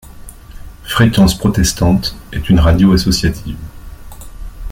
Fréquence protestante est une radio associative.